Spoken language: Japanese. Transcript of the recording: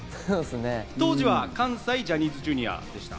当時は関西ジャニーズＪｒ．でした。